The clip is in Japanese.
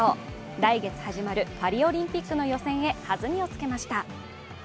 来月始まるパリオリンピックの予選へ弾みをつけました。